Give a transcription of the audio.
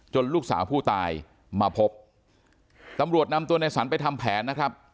ลูกสาวผู้ตายมาพบตำรวจนำตัวในสรรไปทำแผนนะครับ